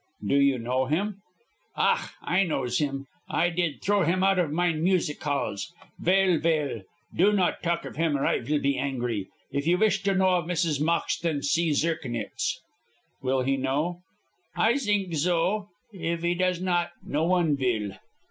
"Do you know him?" "Ach, I knows him. I did throw him out of mine music halls. Vell, vell, do not talk of him, or I vill be angry. If you wish to know of Mrs. Moxton zee Zirknitz." "Will he know?" "I zink zo. If he does not, no one vill."